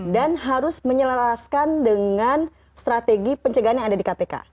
dan harus menyelalaskan dengan strategi pencegahan yang ada di kpk